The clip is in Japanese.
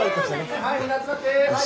はいみんな集まって。